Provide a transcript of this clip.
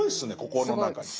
ここの中に。